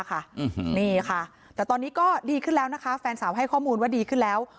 นี่ค่ะแต่ตอนนี้ก็ดีขึ้นแล้วนะคะแฟนสาวให้ข้อมูลว่าดีขึ้นแล้ว